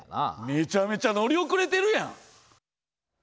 めちゃめちゃ乗り遅れてるやん。